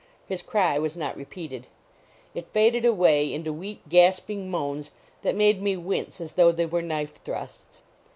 His cry was not repeated; it faded away into weak, gasping moans that made me wince as though they were knife thrusts.